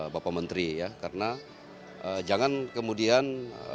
bapak menteri ya karena jangan kemudian